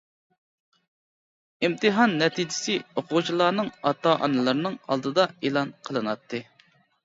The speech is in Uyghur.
ئىمتىھان نەتىجىسى ئوقۇغۇچىلارنىڭ ئاتا ئانىلىرىنىڭ ئالدىدا ئېلان قىلىناتتى.